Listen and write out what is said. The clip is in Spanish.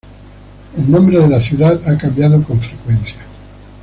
El nombre de la ciudad ha cambiado con frecuencia.